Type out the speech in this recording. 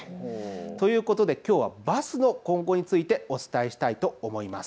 ということできょうはバスの今後についてお伝えしたいと思います。